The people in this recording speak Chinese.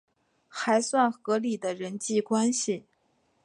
还算合理的人际关系